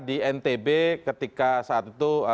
di ntb ketika saat itu